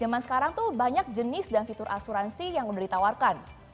zaman sekarang tuh banyak jenis dan fitur asuransi yang udah ditawarkan